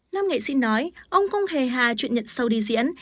nam nghệ sĩ nói ông không hề hà chuyện nhận sâu đi diễn